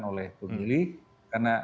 oleh pemilih karena